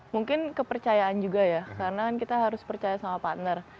mungkin kepercayaan juga ya karena kita harus percaya sama partner